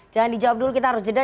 jangan dijawab dulu kita harus jeda